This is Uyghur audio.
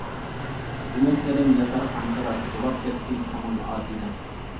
ئۈمىدلىرىم ياتار قانسىراپ، غۇلاپ كەتتى كۆڭۈل ئابىدەم.